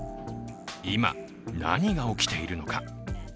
今、何が起きているのか。